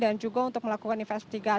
dan juga untuk melakukan penyelidikan